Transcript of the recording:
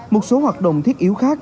một số hoạt động thiết yếu khác